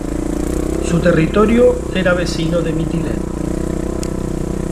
Su territorio era vecino de Mitilene.